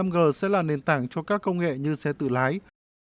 năm g sẽ là nền tảng cho các công nghệ như xe tự lái